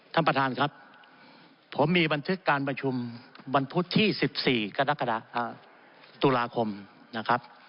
ท่านประธานครับผมมีบันทึกการประชุมวันพุธที่๑๔ตุลาคมนะครับ